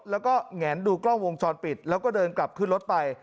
แล้วก็แหงดูกล้องวงจรปิดแล้วก็เดินกลับขึ้นรถไป